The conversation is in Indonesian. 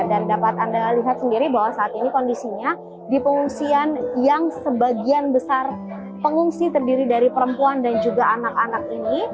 dan dapat anda lihat sendiri bahwa saat ini kondisinya di pengungsian yang sebagian besar pengungsi terdiri dari perempuan dan juga anak anak ini